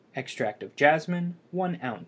Extract of jasmine 1 oz.